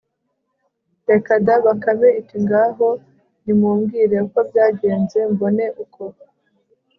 reka da! bakame iti ngaho nimumbwire uko byagenze, mbone uko